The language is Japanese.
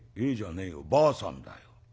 ばあさんだよ。